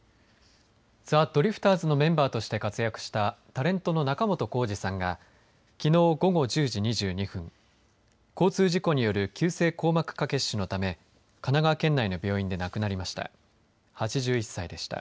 ザ・ドリフターズのメンバーとして活躍したタレントの仲本工事さんがきのう午後１０時２２分交通事故による急性硬膜下血腫のため神奈川県内の病院で亡くなりました。